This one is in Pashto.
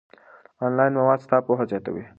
آنلاین مواد ستا پوهه زیاتوي.